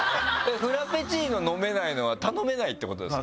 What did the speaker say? フラペチーノ飲めないのは頼めないってことですか？